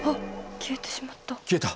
消えた。